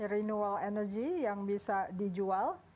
renewal energy yang bisa dijual